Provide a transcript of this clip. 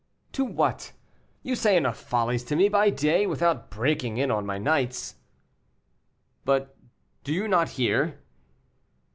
"To what? You say enough follies to me by day, without breaking in on my nights." "But do you not hear?"